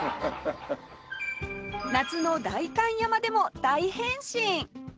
夏の代官山でも大変身！